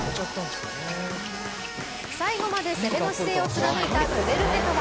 最後まで攻めの姿勢を貫いたクデルメトワ。